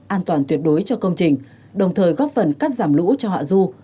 an toàn tuyệt đối cho công trình đồng thời góp phần cắt giảm lũ cho hạ du